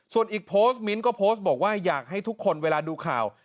ส่วนอีกโพสต์มิ้นท์ก็โพสต์บอกว่าอยากให้ทุกคนเวลาดูข่าว